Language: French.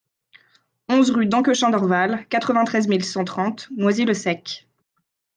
onze rue Danquechin Dorval, quatre-vingt-treize mille cent trente Noisy-le-Sec